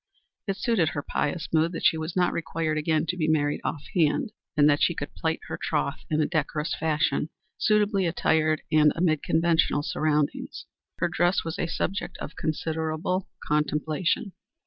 It suited her pious mood that she was not required again to be married off hand, and that she could plight her troth in a decorous fashion, suitably attired and amid conventional surroundings. Her dress was a subject of considerable contemplation.